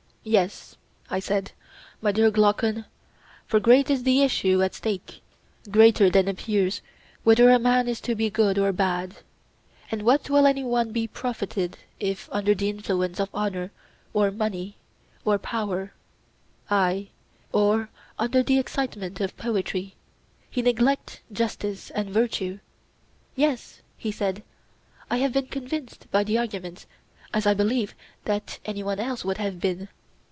Yes, I said, my dear Glaucon, for great is the issue at stake, greater than appears, whether a man is to be good or bad. And what will any one be profited if under the influence of honour or money or power, aye, or under the excitement of poetry, he neglect justice and virtue? Yes, he said; I have been convinced by the argument, as I believe that any one else would have been.